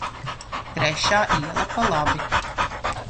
Trešā iela pa labi.